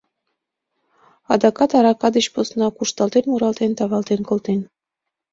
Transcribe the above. Адакат арака деч посна, кушталтен-муралтен-тавалтен колтен.